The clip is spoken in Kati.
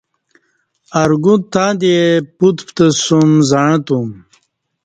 ارگو تاں دی پٹ پتسوم زعں تم